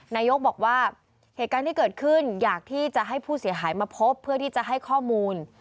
นายกบอกว่าเหตุการณ์ที่เกิดขึ้นอยากที่จะให้ผู้เสียหายมาพบเพื่อที่จะให้ข้อมูล